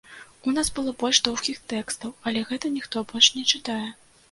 У нас было больш доўгіх тэкстаў, але гэта ніхто больш не чытае.